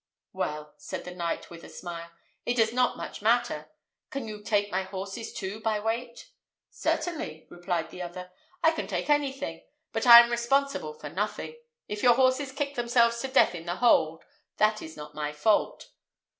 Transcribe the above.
"Well," said the knight, with a smile, "it does not much matter. Can you take my horses too by weight?" "Certainly," replied the other, "I can take anything; but I am responsible for nothing. If your horses kick themselves to death in the hold, that is not my fault."